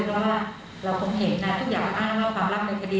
เพราะว่าเราคงเห็นนะทุกอย่างอ้างว่าความรักดำเนินคดี